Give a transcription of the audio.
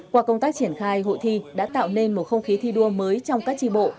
qua công tác triển khai hội thi đã tạo nên một không khí thi đua mới trong các tri bộ